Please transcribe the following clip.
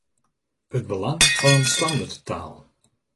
It belang fan in standerttaal.